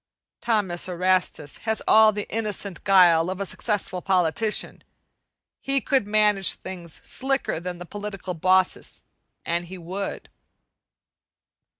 Thomas Erastus has all the innocent guile of a successful politician. He could manage things slicker than the political bosses, an' he would.